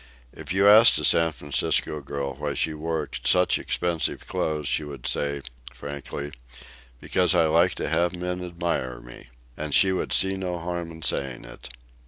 If you asked a San Francisco girl why she wore such expensive clothes, she would say, frankly, "Because I like to have the men admire me," and she would see no harm in saying it.